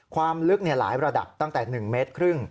ความลึกหลายระดับตั้งแต่๑เมตรครึ่ง